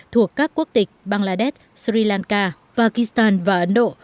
thuộc các quốc tịch bangladesh sri lanka pakistan và ấn độ